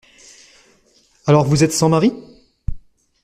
Alors, vous êtes son mari ?